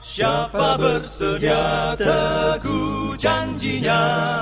siapa bersedia teguh janjinya